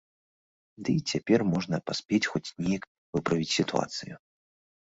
Ды і цяпер можна паспець хоць неяк выправіць сітуацыю.